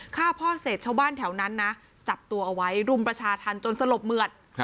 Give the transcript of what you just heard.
ฆ่าพ่อเสร็จชาวบ้านแถวนั้นนะจับตัวเอาไว้รุมประชาธรรมจนสลบเหมือด